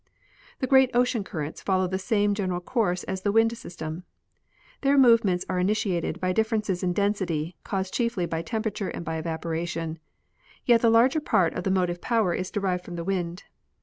The great ocean currents follow the same general courses as the wind system. Their movements are initiated b}^ differences in density, caused chiefly by temperature and by evaporation ; yet the larger part of the motive power is derived from the wind.